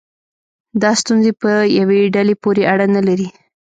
دا ستونزې په یوې ډلې پورې اړه نه لري.